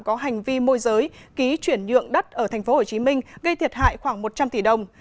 có hành vi môi giới ký chuyển nhượng đất ở tp hcm gây thiệt hại khoảng một trăm linh tỷ đồng